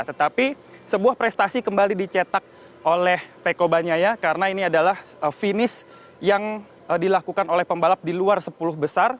tetapi sebuah prestasi kembali dicetak oleh peko banyaya karena ini adalah finish yang dilakukan oleh pembalap di luar sepuluh besar